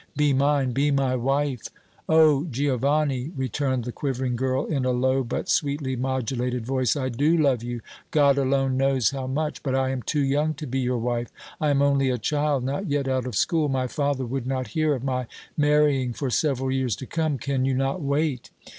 Be mine be my wife!" "Oh! Giovanni," returned the quivering girl, in a low, but sweetly modulated voice, "I do love you God alone knows how much! but I am too young to be your wife! I am only a child, not yet out of school. My father would not hear of my marrying for several years to come. Can you not wait?"